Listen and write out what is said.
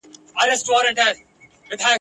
زه مین پر سور او تال یم په هر تار مي زړه پېیلی ..